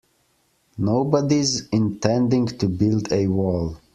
Nobody's intending to build a wall.